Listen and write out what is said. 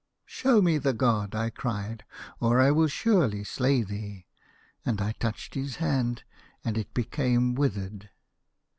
"'Show me the god,' I cried, 'or I will surely slay thee.' And I touched his hand, and it became withered.